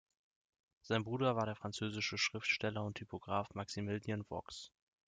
Sein Bruder war der französische Schriftsteller und Typograf Maximilien Vox.